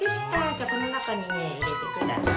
じゃあこのなかにねいれてください。